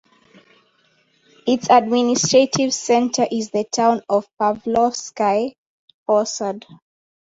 Its administrative center is the town of Pavlovsky Posad.